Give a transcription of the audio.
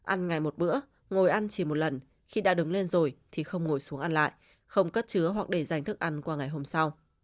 ăn ngày một bữa ngồi ăn chỉ một lần khi đã đứng lên rồi thì không ngồi xuống ăn lại không cất chứa hoặc để dành thức ăn qua ngày hôm sau